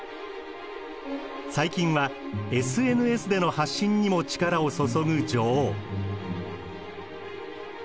最近はＳＮＳでの発信にも力を注ぐ女王。